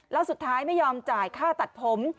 แล้วสุดท้ายไม่ยอมจ่ายค่าตัดผม